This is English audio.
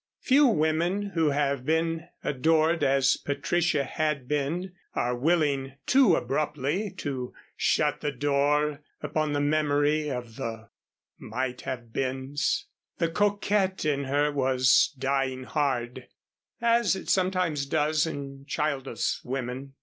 Few women who have been adored as Patricia had been are willing too abruptly to shut the door upon the memory of the might have beens. The coquette in her was dying hard as it sometimes does in childless women.